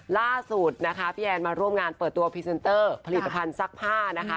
ล่าสุดนะคะพี่แอนมาร่วมงานเปิดตัวพรีเซนเตอร์ผลิตภัณฑ์ซักผ้านะคะ